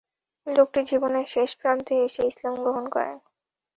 লোকটি জীবনের শেষ প্রান্তে এসে ইসলাম গ্রহণ করেন।